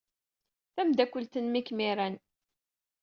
Tameddakelt-nnem ay kem-iran.